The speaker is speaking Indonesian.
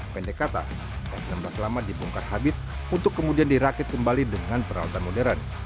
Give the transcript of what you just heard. pendek kata dan belas lama dibongkar habis untuk kemudian dirakit kembali dengan peralatan modern